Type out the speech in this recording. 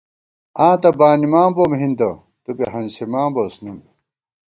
آں تہ بانِمان بوم ہِندہ، تُو بی ہنسِمان بوس نُون